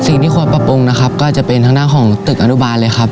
สีที่ควรปรับปรุงก็อาจจะเป็นข้างหน้าตึกอนุบาลเลยครับ